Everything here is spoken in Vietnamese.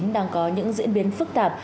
đang có những diễn biến phức tạp